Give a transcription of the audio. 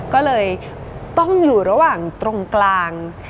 ก็เลยต้องอยู่ระหว่างตรงกลาง